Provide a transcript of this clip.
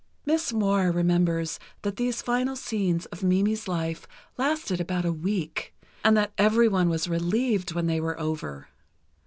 Miss Moir remembers that these final scenes of Mimi's life lasted about a week, and that everyone was relieved when they were over.